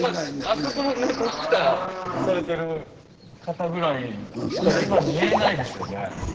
あそこのねトラクターされてる方ぐらいしか今見えないですよね。